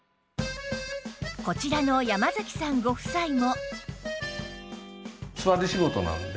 こちらの山嵜さんご夫妻も